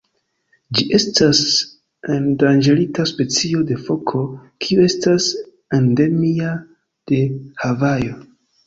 Ĝi estas endanĝerita specio de foko kiu estas endemia de Havajo.